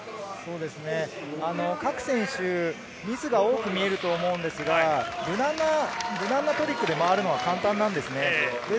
各選手、ミスが多く見えると思うんですが、無難なトリックで回るのは簡単です。